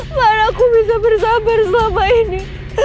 biar aku bisa bersabar selama ini